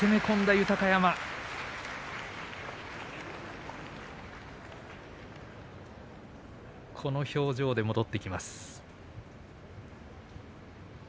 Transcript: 豊山、この表情で戻ってきます。